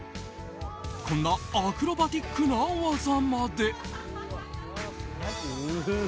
こんなアクロバティックな技まで。